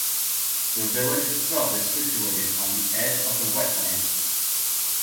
The village itself is situated on the edge of the wetland.